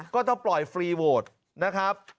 ก็ต้องปล่อยฟรีโวทนะครับ